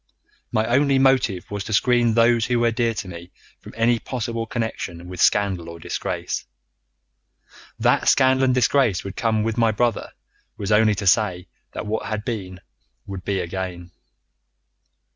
My only motive was to screen those who were dear to me from any possible connection with scandal or disgrace. That scandal and disgrace would come with my brother was only to say that what had been would be again.